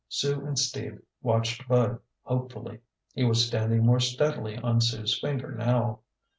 Sue and Steve watched Bud hopefully. He was standing more steadily on Sue's finger now.